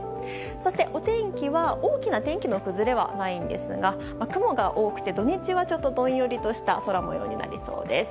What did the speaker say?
そして、お天気は大きな天気の崩れはないんですが雲が多くて土日はどんよりとした空模様になりそうです。